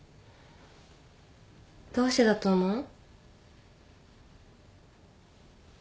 どうしてだと思う？